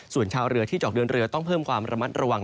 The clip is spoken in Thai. ส่วนชาวเรือที่เจาะเดินเรือต้องเพิ่มความระมัดระวัง